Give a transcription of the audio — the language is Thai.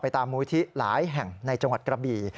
ตามมูลที่หลายแห่งในจังหวัดกระบี่